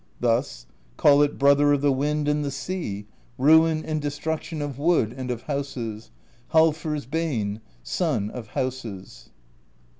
Thus: call it Brother of the Wind and the Sea, Ruin and Destruc tion of Wood and of Houses, Halfr's Bane, Sun of Houses.